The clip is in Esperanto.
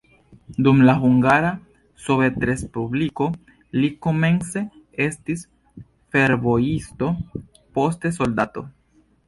Dum la Hungara Sovetrespubliko li komence estis fervojisto, poste soldato.